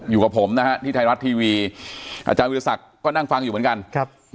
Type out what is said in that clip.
อยู่กับผมนะฮะที่ไทยรัฐทีวีอาจารย์วิทยาศักดิ์ก็นั่งฟังอยู่เหมือนกัน